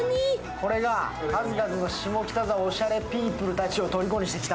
これが数々の下北沢のおしゃれピープルたちをとりこにしてきた。